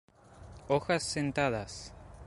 Hojas sentadas.